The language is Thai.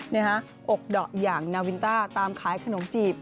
อกดอกอย่างนาวินต้าตามขายขนมจีบ